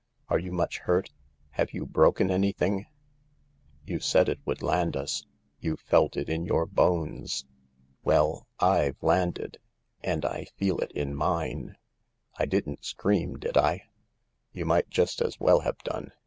"Are you much hurt ? Have you broken anything ?"" You said it would land us 1 You felt it in your bones. Well— I've landed ! And I feel it in mine I I didn't scream, did I ?"" You might just as well have done.